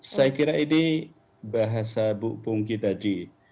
saya kira ini bahasa bu pungki tadi